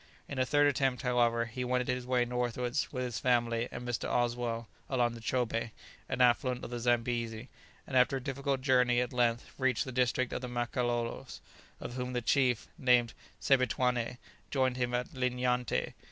In a third attempt, however, he wended his way northwards with his family and Mr. Oswell along the Chobé, an affluent of the Zambesi, and after a difficult journey at length reached the district of the Makalolos, of whom the chief, named Sebituané, joined him at Linyanté.